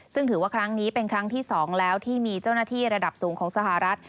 ซึ่งถือว่าครั้งนี้เป็นครั้งที่๒แล้วที่มีเจ้าหน้าที่ระดับสูงของสหรัฐ